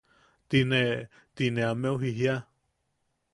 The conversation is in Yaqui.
Ti ne... ti ne ameu jijia.